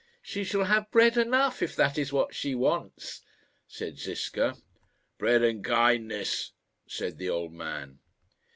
"She shall have bread enough, if that is what she wants," said Ziska. "Bread and kindness," said the old man.